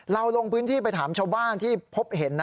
ลงพื้นที่ไปถามชาวบ้านที่พบเห็น